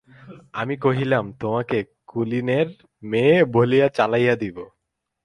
আমি কহিলাম, তোমাকে কুলীনের মেয়ে বলিয়া চালাইয়া দিব।